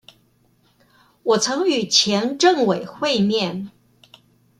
我曾與前政委會面